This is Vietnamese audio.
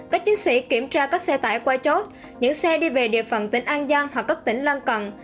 các chiến sĩ kiểm tra các xe tải qua chốt những xe đi về địa phận tỉnh an giang hoặc các tỉnh lân cận